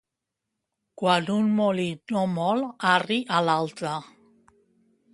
Quan un molí no mol, arri a l'altre.